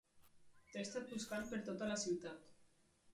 T'he estat buscant per tota la ciutat.